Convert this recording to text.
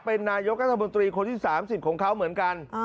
เป็นนายกรัฐมนตรีคนที่๓๐ของเขาเหมือนกัน